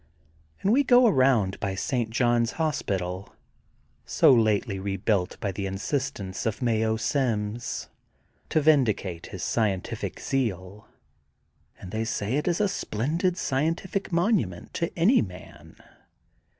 And we go around by St. John^s Hospital, so lately rebuilt by the in sistence of Mayo Sims, to vindicate his scien tific zeal, and they say it is a splendid scien tific monument to any man.